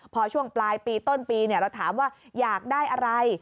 พอช่วงปลายปีต้นปีเราถามว่าอยากได้อะไร